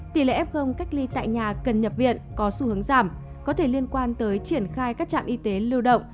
tỷ lệ f cách ly tại nhà cần nhập viện có xu hướng giảm có thể liên quan tới triển khai các trạm y tế lưu động